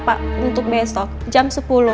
pak untuk besok jam sepuluh